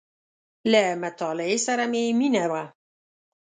• له مطالعې سره مې مینه وه.